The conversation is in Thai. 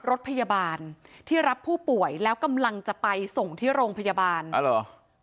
รถพยาบาลที่รับผู้ป่วยแล้วกำลังจะไปส่งที่โรงพยาบาลอ่าเหรอ